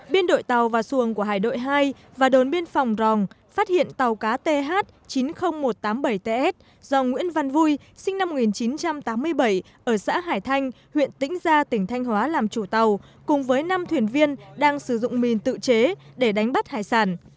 biên đội tàu và xuồng của hải đội hai và đồn biên phòng ròng phát hiện tàu cá th chín mươi nghìn một trăm tám mươi bảy ts do nguyễn văn vui sinh năm một nghìn chín trăm tám mươi bảy ở xã hải thanh huyện tĩnh gia tỉnh thanh hóa làm chủ tàu cùng với năm thuyền viên đang sử dụng mìn tự chế để đánh bắt hải sản